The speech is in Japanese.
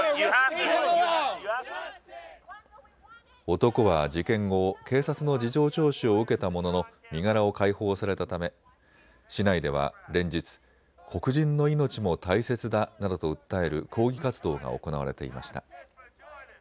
男は事件後、警察の事情聴取を受けたものの身柄を解放されたため市内では連日、黒人の命も大切だなどと訴える抗議活動が行われていました。